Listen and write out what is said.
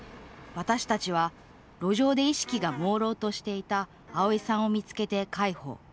私たちは路上で意識がもうろうとしていたあおいさんを見つけて、介抱。